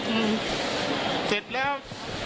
อืมเสร็จแล้ว